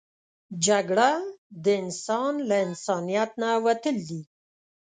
جګړه د انسان له انسانیت نه وتل دي